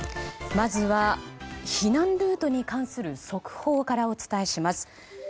まずは、避難ルートに関する速報からお伝えします。